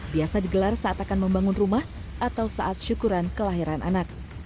biasa digelar saat akan membangun rumah atau saat syukuran kelahiran anak